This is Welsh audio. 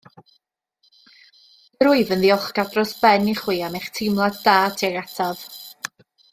Yn wyf yn ddiolchgar dros ben i chwi am eich teimlad da tuag ataf.